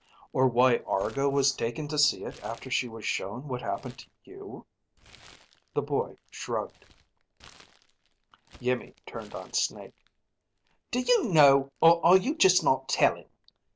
Or why Argo was taken to see it after she was shown what happened to you?" The boy shrugged. Iimmi turned on Snake. "Do you know, or are you just not telling?